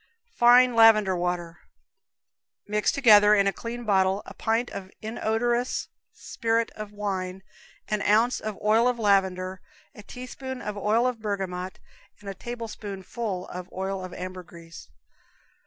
Fine Lavender Water. Mix together, in a clean bottle, a pint of inodorous spirit of wine, an ounce of oil of lavender, a teaspoonful of oil of bergamot, and a tablespoonful of oil of ambergris.